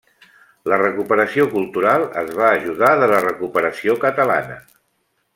La recuperació cultural es va ajudar de la recuperació catalana.